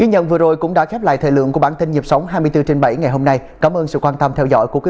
hãy đăng ký kênh để ủng hộ kênh của mình nhé